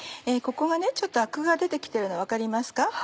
ここがちょっとアクが出て来てるの分かりますか？